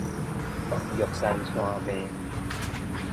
玉山山脈